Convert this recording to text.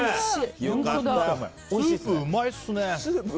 スープ、うまいっすね。